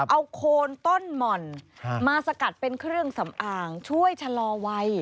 เอาโคนต้นหม่อนมาสกัดเป็นเครื่องสำอางช่วยชะลอวัย